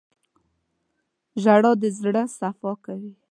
• ژړا د زړه صفا کوي.